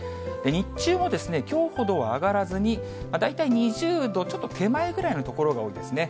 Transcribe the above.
日中もきょうほどは上がらずに、大体２０度ちょっと手前ぐらいの所が多いですね。